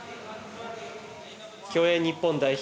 競泳日本代表